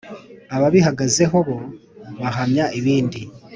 ababihagazeho bo bahamya ibindi.